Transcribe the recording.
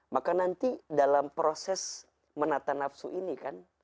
maka nanti dalam proses menata nafsu ini kan